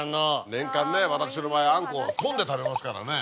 年間ね私の場合あんこをトンで食べますからね。